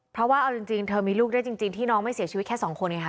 เพราะว่าเอาจริงเธอมีลูกได้จริงที่น้องไม่เสียชีวิตแค่สองคนไงคะ